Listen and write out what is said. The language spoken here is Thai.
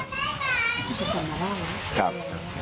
ครับ